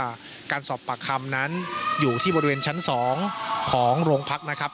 การสอบปากคำนั้นอยู่ที่บริเวณชั้น๒ของโรงพักนะครับ